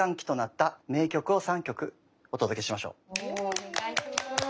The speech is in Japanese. お願いします。